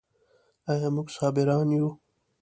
آیا موږ صابران یو؟